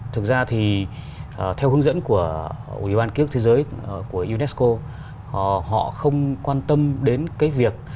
thực ra thì theo hướng dẫn của ủy ban kiosk thế giới của unesco họ không quan tâm đến cái việc